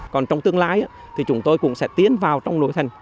còn trong tương lai thì chúng tôi cũng sẽ tiến vào trong nội thành